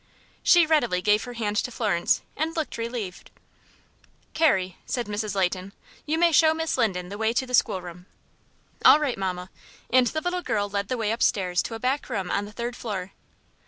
She readily gave her hand to Florence, and looked relieved. "Carrie," said Mrs. Leighton, "you may show Miss Linden the way to the schoolroom." "All right, mamma," and the little girl led the way upstairs to a back room on the third floor.